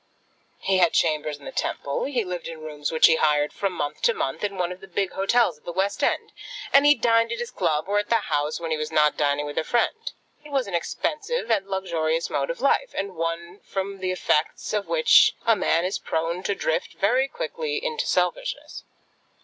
He had chambers in the Temple; he lived in rooms which he hired from month to month in one of the big hotels at the West End; and he dined at his club, or at the House, when he was not dining with a friend. It was an expensive and a luxurious mode of life, and one from the effects of which a man is prone to drift very quickly into selfishness.